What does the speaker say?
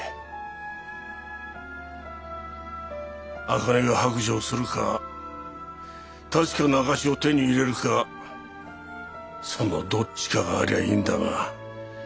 赤根が白状するか確かな証しを手に入れるかそのどっちかがありゃいいんだが。